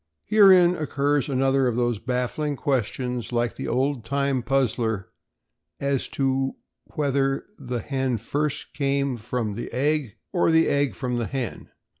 Herein occurs another of those baffling questions, like the old time puzzler as to whether the hen first came from the egg or the egg from the hen.